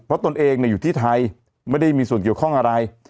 เพราะตนเองอยู่ที่ไทยไม่ได้มีส่วนเกี่ยวข้องอะไร